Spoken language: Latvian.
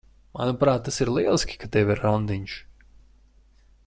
Manuprāt, tas ir lieliski, ka tev ir randiņš.